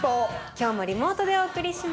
今日もリモートでお送りします。